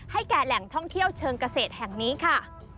แก่แหล่งท่องเที่ยวเชิงเกษตรแห่งนี้ค่ะ